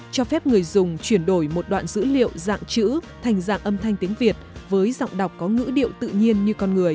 cho phép người dùng chuyển đổi một đoạn dữ liệu dạng chữ thành dạng âm thanh tiếng việt với giọng đọc có ngữ điệu tự nhiên